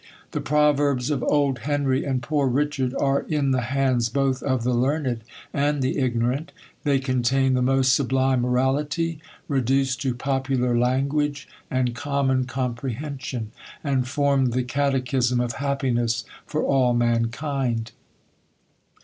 The prov erbs of " Old Henry," and ^' Poor Richai^d," are in the hands both of the learned and the ignorant ; they contain the most sublime morality, reduced to popular language and common comprehension ; and form the catechism of happiness for all mankind.